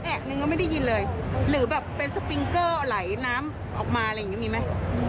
นึงก็ไม่ได้ยินเลยหรือแบบเป็นสปิงเกอร์ไหลน้ำออกมาอะไรอย่างนี้มีไหม